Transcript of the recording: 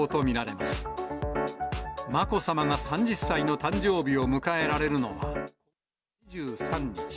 まこさまが３０歳の誕生日を迎えられるのは２３日。